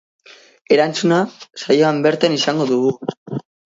Erantzuna, saioan bertan izango dugu.